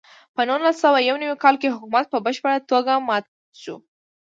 په نولس سوه یو نوي کال کې حکومت په بشپړه توګه مات شو.